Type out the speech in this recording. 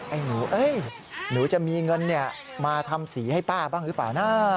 หนูเอ้ยหนูหนูจะมีเงินมาทำสีให้ป้าบ้างหรือเปล่านะ